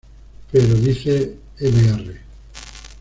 Pero dice Mr.